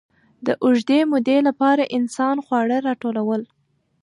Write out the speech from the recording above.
د اوږدې مودې لپاره انسان خواړه راټولول.